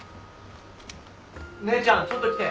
・姉ちゃんちょっと来て。